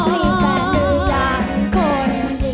มีแฟนหรือยังคนอื่น